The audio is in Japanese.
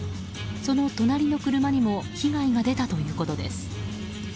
その隣の車にも被害が出たということです。